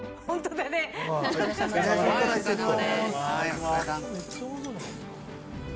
お疲れさまです。